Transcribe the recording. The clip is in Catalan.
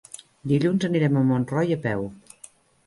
Dilluns anirem a Montroi a peu.